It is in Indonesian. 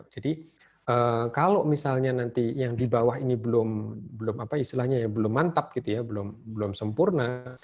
jadi kalau misalnya nanti yang di bawah ini belum mantap belum sempurna